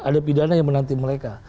ada pidana yang menanti mereka